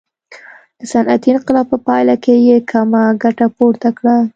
د صنعتي انقلاب په پایله کې یې کمه ګټه پورته کړه.